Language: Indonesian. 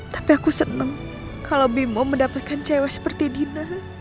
tapi aku seneng kalau bimo mendapatkan cewek seperti dina